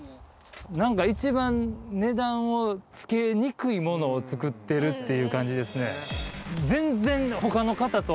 なんか一番、値段をつけにくいものを作ってるっていう感じですね。